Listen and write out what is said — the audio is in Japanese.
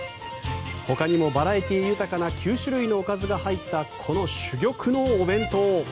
ほかにもバラエティー豊かな９種類のおかずが入ったこの珠玉のお弁当。